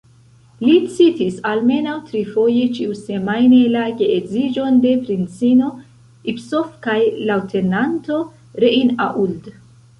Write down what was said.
Li citis, almenaŭ trifoje ĉiusemajne, la geedziĝon de princino Ipsof kaj leŭtenanto Reinauld.